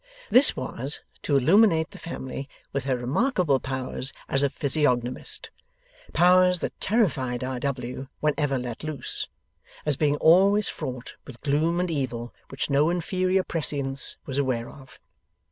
This was, to illuminate the family with her remarkable powers as a physiognomist; powers that terrified R. W. when ever let loose, as being always fraught with gloom and evil which no inferior prescience was aware of.